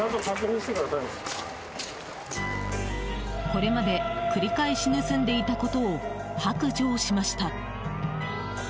これまで繰り返し盗んでいたことを白状しました。